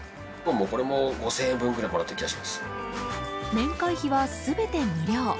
年会費は全て無料。